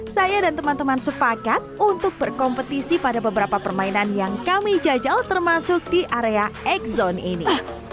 saya dan teman teman sepakat untuk berkompetisi pada beberapa permainan yang kami jajal termasuk di area x zone ini